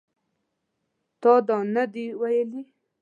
تا دا نه دي ویلي